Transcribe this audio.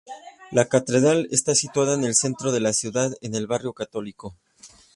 La catedral está situada en el centro de la ciudad, en el barrio católico.